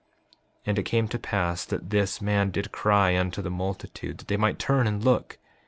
5:37 And it came to pass that this man did cry unto the multitude, that they might turn and look.